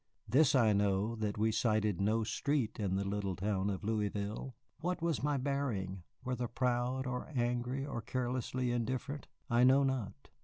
This I know, that we slighted no street in the little town of Louisville. What was my bearing, whether proud or angry or carelessly indifferent, I know not.